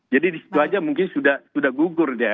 jadi di situ aja mungkin sudah gugur deh